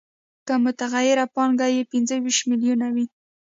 که متغیره پانګه یې پنځه ویشت میلیونه وي